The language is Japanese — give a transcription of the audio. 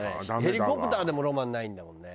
ヘリコプターでもロマンないんだもんね。